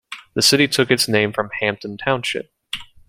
The city took its name from Hampton Township.